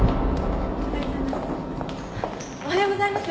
おはようございます。